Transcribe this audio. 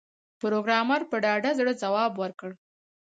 پروګرامر په ډاډه زړه ځواب ورکړ